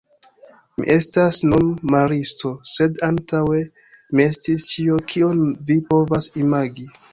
Mi estas nun maristo, sed antaŭe mi estis ĉio, kion vi povas imagi.